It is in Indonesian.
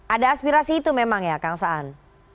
ada aspirasi itu memang ya kangsaan